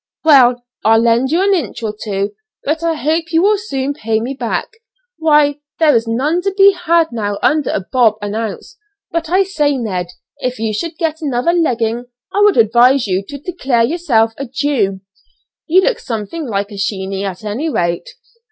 "Well, I'll lend you an inch or two, but I hope you will soon pay me back; why there is none to be had now under a bob an ounce; but I say, Ned, if you should get another legging I would advise you to declare yourself a Jew. You look something like a sheeney at any rate.